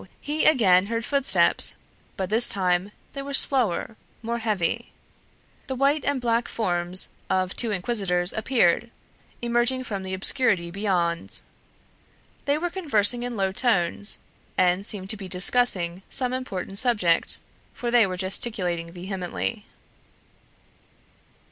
He again heard footsteps, but this time they were slower, more heavy. The white and black forms of two inquisitors appeared, emerging from the obscurity beyond. They were conversing in low tones, and seemed to be discussing some important subject, for they were gesticulating vehemently.